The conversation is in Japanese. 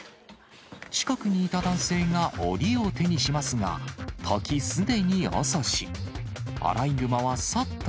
近くにいた男性が、おりを手にしますが、時すでに遅し。